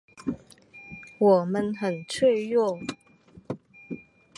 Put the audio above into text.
我们很脆弱